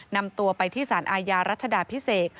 นำตัวไปที่สารอาญารัชดาพิเศษ